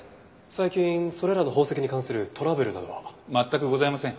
最近それらの宝石に関するトラブルなどは？全くございません。